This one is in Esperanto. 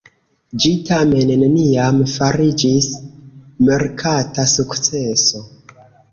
Ĝi tamen neniam fariĝis merkata sukceso.